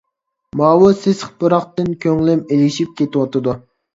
ماۋۇ سېسىق پۇراقتىن كۆڭلۈم ئېلىشىپ كېتىۋاتىدۇ.